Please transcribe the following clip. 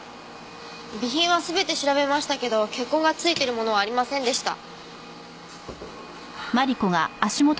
備品は全て調べましたけど血痕がついてるものはありませんでした。